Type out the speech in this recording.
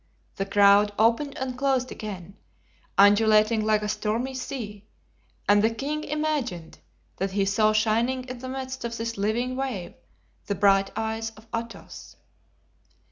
The crowd opened and closed again, undulating like a stormy sea, and the king imagined that he saw shining in the midst of this living wave the bright eyes of Athos.